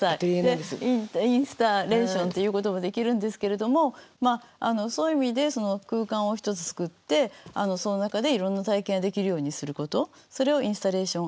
でインスタレーションって言うこともできるんですけれどもそういう意味で空間を一つ作ってその中でいろんな体験ができるようにすることそれをインスタレーション